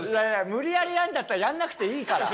無理やりやるんだったらやんなくていいから。